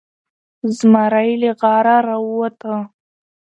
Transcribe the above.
زمری له غاره راووته.